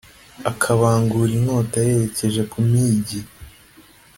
akabangura inkota ayerekeje ku migi!